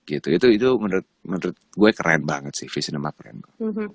itu menurut gue keren banget sih v cinema keren banget